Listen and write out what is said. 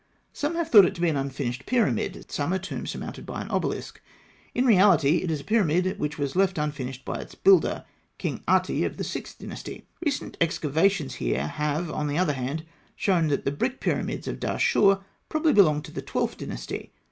Some have thought it to be an unfinished pyramid, some a tomb surmounted by an obelisk; in reality it is a pyramid which was left unfinished by its builder, King Ati of the Sixth Dynasty. Recent excavations have, on the other hand, shown that the brick pyramids of Dahshûr probably belonged to the Twelfth Dynasty.